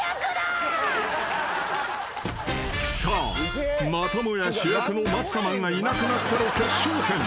［さあまたもや主役のマッサマンがいなくなっての決勝戦］